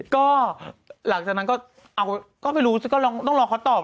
ก็หลังจากนั้นก็ไปรู้ซึ่งก็ต้องรอเขาตอบ